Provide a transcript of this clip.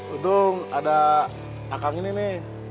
untung ada akang ini nih